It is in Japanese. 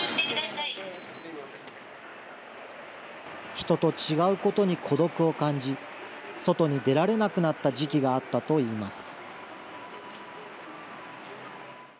人と違うことに孤独を感じ、外に出られなくなった時期があったといいます。